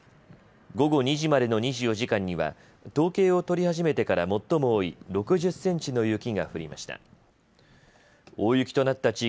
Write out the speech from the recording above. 午後２時までの２４時間には、統計を取り始めてから最も多い、６０センチの雪が降りました。